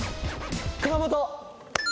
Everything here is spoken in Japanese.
熊本。